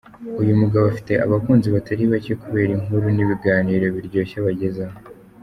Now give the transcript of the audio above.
Uyu mugabo afite abakunzi batari bake, kubera inkuru n’ibiganiro biryoshye abagezaho.